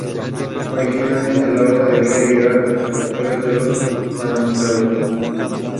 Originalmente la obra debía llegar a las invasiones de los vándalos.